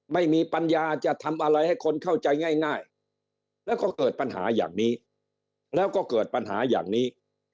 ไม่มีปัญญาจะทำอะไรให้คนเข้าใจง่ายแล้วก็เกิดปัญหาอย่างนี้